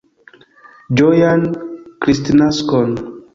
Ĝojan Kristnaskon!